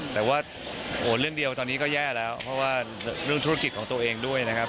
แต่ว่าเรื่องเดียวตอนนี้ก็แย่แล้วเพราะว่าเรื่องธุรกิจของตัวเองด้วยนะครับ